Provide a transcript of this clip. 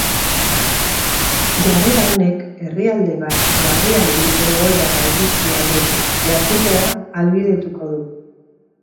Jarrera honek herrialde bat larrialdi egoerara iritsi aurretik jardutea ahalbidetuko du.